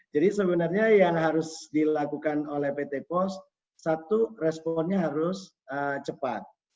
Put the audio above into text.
jadi sebenarnya yang harus dilakukan oleh pt pos satu responnya harus cepat